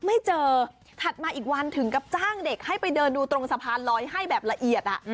ไม่เจอถัดมาอีกวันถึงกับจ้างเด็กให้ไปเดินดูตรงสะพานลอยให้แบบละเอียด